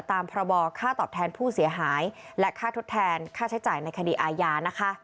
พรบค่าตอบแทนผู้เสียหายและค่าทดแทนค่าใช้จ่ายในคดีอาญานะคะ